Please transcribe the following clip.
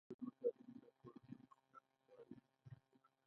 د نجونو تعلیم د کورنۍ خوارۍ مخه نیسي.